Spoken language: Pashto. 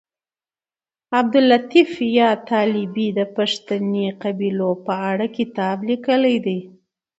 عبداللطیف یاد طالبي د پښتني قبیلو په اړه کتاب لیکلی دی